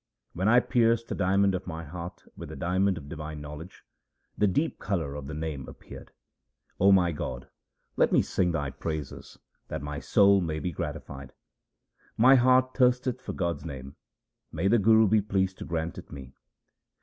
When I pierced the diamond of my heart with the diamond of divine knowledge, the deep colour of the Name appeared. 0 my God, let me sing Thy praises that my soul may be gratified. My heart thirsteth for God's name ; may the Guru be pleased to grant it me